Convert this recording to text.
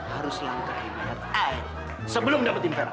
harus langkahin lihat i sebelum dapetin fera